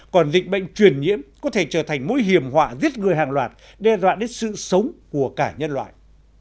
còn dịch bệnh truyền nhiễm có thể trở thành mối hiểm họa giết người hàng loạt đe dọa đến sự sống của cả nhân loại